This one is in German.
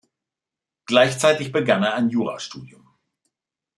Gleichzeitig begann er ein Jurastudium.